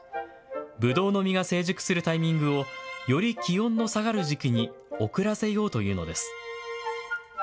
ぶどうの実が成熟するタイミングをより気温の下がる時期に遅らせようというのです。